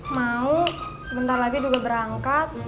mau sebentar lagi juga berangkat